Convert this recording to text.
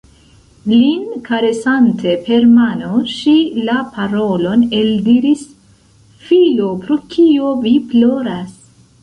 Lin karesante per mano, ŝi la parolon eldiris: « Filo, pro kio vi ploras?"